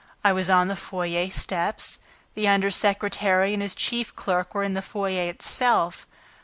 I was on the foyer steps ... The under secretary and his chief clerk were in the foyer itself.